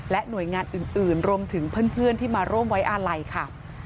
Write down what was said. หน่วยงานอื่นรวมถึงเพื่อนที่มาร่วมไว้อาลัยค่ะ